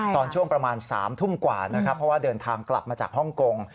ตอนช่วงประมาณ๓ทุ่มกว่านะครับเพราะว่าเดินทางกลับมาจากฮ่องกง